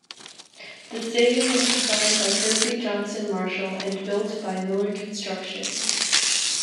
The stadium was designed by Percy Johnson-Marshall and built by Miller Construction.